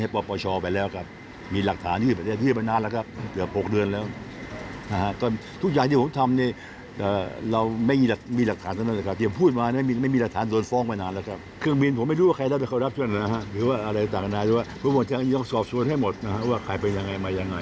ผมจะยอมสอบสูตรให้หมดว่าขายไปยังไงมายังไง